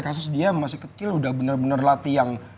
kasus dia masih kecil udah benar benar latih